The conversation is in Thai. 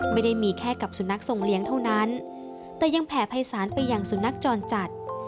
ไม่ได้มีแค่กับสุนัขทรงเลี้ยงเท่านั้นแต่ยังแผ่ภัยศาลไปอย่างสุนัขจรจัด